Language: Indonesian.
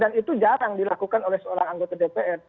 dan itu jarang dilakukan oleh seorang anggota dpr